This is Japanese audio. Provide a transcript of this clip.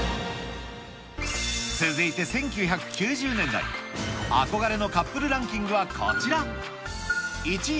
続いて１９９０年代、憧れのカップルランキングはこちら。